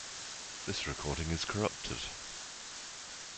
This recording is corrupted.